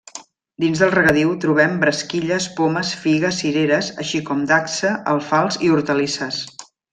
Dins del regadiu trobem bresquilles, pomes, figues, cireres, així com dacsa, alfals i hortalisses.